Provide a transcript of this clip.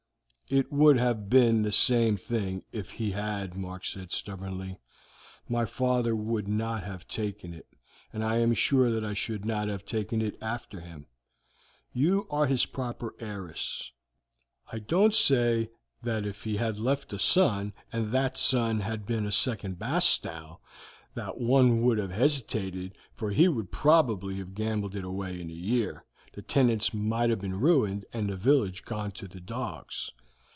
"It would have been the same thing if he had," Mark said stubbornly. "My father would not have taken it, and I am sure that I should not have taken it after him; you are his proper heiress. I don't say if he had left a son, and that son had been a second Bastow, that one would have hesitated, for he would probably have gambled it away in a year, the tenants might have been ruined, and the village gone to the dogs.